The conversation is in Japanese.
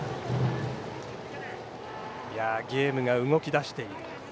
ゲームが動き出している。